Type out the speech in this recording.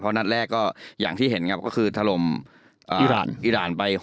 เพราะแรกคือทะลมอิราณไป๖๒